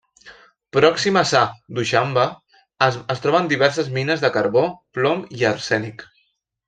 Pròximes a Duixanbe es troben diverses mines de carbó, plom i arsènic.